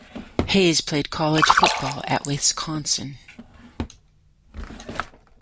Hayes played college football at Wisconsin.